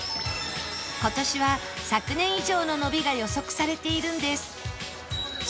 今年は昨年以上の伸びが予測されているんです